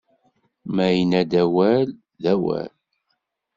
Ma yenna-d awal, d awal!